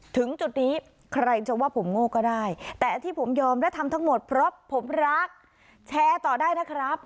ถึงจุดนี้ใครจะว่าผมโง่ก็ได้แต่ที่ผมยอมและทำทั้งหมดเพราะผมรักแชร์ต่อได้นะครับ